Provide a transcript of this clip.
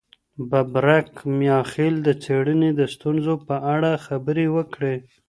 ببرک میاخیل د څېړني د ستونزو په اړه خبري وکړې.